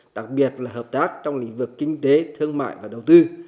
đặc biệt là hợp tác trong lĩnh vực kinh tế thương mại và đầu tư